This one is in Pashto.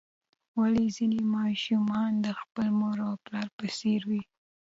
ولې ځینې ماشومان د خپل مور او پلار په څیر وي